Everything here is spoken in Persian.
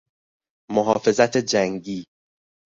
محافظت جنگی